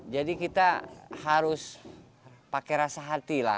jadi kita harus pakai rasa hati lah